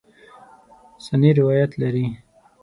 سنې روایت لري.